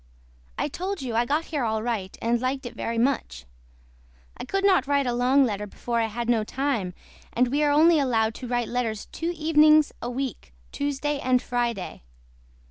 I TOLD YOU I GOT HERE ALL RIGHT AND LIKED IT VERY MUCH. I COULD NOT WRITE A LONG LETTER BEFORE I HAD NO TIME AND WE ARE ONLY ALOWED TO WRITE LETTERS TWO EVENINGS A WEEK TUESDAY AND FRIDAY.